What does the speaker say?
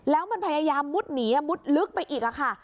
แล้วมันพยายามมุดหนีมุดลึกไปอีกค่ะ